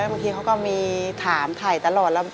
บางทีเขาก็มีถามถ่ายตลอดแล้ว